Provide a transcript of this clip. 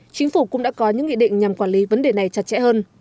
chính phủ cũng đã có những nghị định nhằm quản lý vấn đề này chặt chẽ hơn